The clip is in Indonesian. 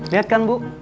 lihat kan bu